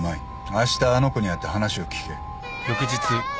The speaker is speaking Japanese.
あしたあの子に会って話を聞け。